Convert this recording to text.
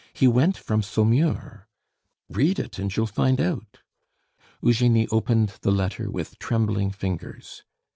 He went from Saumur." "Read it, and you'll find out." Eugenie opened the letter with trembling fingers.